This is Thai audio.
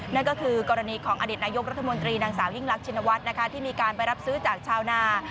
นั่นก็คือกรณีของอดีตนายกรัฐมนตรีนางสาวยิ่งรักชินวัฒน์นะคะที่มีการไปรับซื้อจากชาวนา